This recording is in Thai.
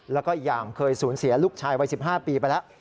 แล้วก็อีกอย่างเคยสูญเสียลูกชายวัย๑๕ปีไปแล้ว